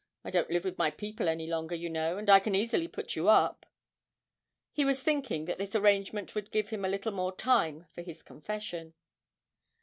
I don't live with my people any longer, you know, and I can easily put you up.' He was thinking that this arrangement would give him a little more time for his confession.